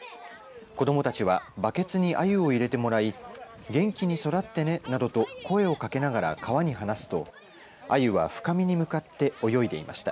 子どもたちはバケツにあゆを入れてもらい元気に育ってねなどと声をかけながら川に放すとあゆは深みに向かって泳いでいました。